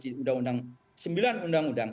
di undang undang sembilan undang undang